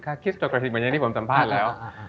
ค่าคิสโตคราสิกเหมือนอย่างที่ผมสัมภาษณ์แล้ว